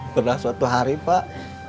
benar suatu hari pak